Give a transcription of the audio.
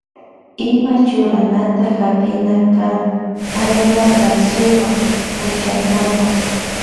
Ima churanata hapina kan Alba rasuwa pukllankapa.